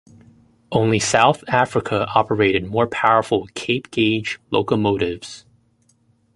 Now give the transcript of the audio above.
Only South Africa operated more powerful Cape gauge locomotives.